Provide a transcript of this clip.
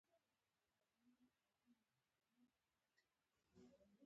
جامد حالت ټاکلی شکل او حجم لري.